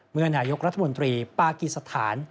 เมื่อนายกรัฐมนตรีปากีสถาน